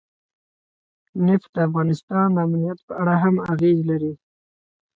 نفت د افغانستان د امنیت په اړه هم اغېز لري.